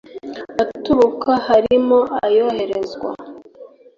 aturuka harimo ayoherezwa